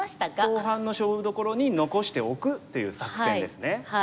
後半の勝負どころに残しておくっていう作戦ですね。